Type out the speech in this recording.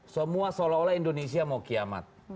semua seolah olah indonesia mau kiamat